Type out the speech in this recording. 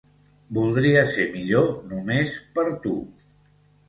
Voldria ser millor només per tu.